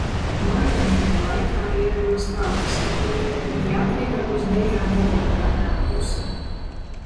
Norunātajā laikā ierados Tautas namā, bet Jadviga uz dejām nebija atnākusi.